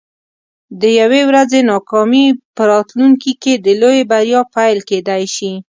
د یوې ورځې ناکامي په راتلونکي کې د لویې بریا پیل کیدی شي.